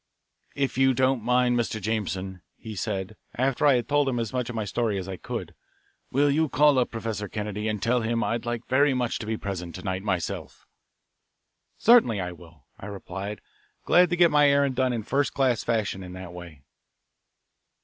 "If you don't mind, Mr. Jameson." he said, after I had told him as much of my story as I could, "will you call up Professor Kennedy and tell him I'd like very much to be present to night myself?" "Certainly I will," I replied, glad to get my errand done in first class fashion in that way.